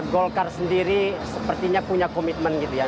golkar sendiri sepertinya punya komitmen gitu ya